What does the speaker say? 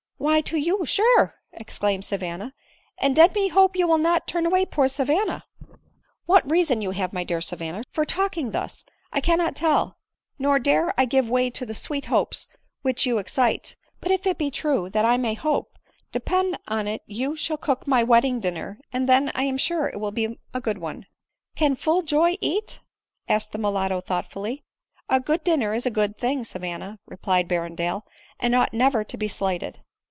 "Why, to you, sure," exclaimed Savanna, "and den me hope you will not turn away poor Savanna J" «"*• ADELINE MOWBRAY. 205 " What reason you have, my dear Savanna, for talking thus, I cannot tell ; nor dare I give way to the sweet hopes which you excite ; but if it be true that I may hope, depend on it you shall cook my wedding dinner, and then I am sure it will.be a good one." " Can full joy eat ?" asked the mulatto thoughtfully. " A good dinner is a good thing, Savanna*" replied Berrendale, " and ought never to be slighted."